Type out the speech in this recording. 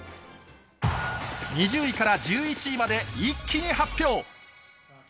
２０位から１１位まで一気に発表。